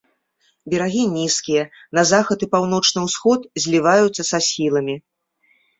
Берагі нізкія, на захад і паўночны ўсход зліваюцца са схіламі.